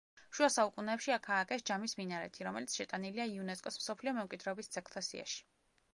შუა საუკუნეებში აქ ააგეს ჯამის მინარეთი, რომელიც შეტანილია იუნესკოს მსოფლიო მემკვიდრეობის ძეგლთა სიაში.